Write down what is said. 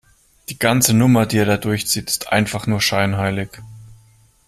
Die ganze Nummer, die er da durchzieht, ist einfach nur scheinheilig.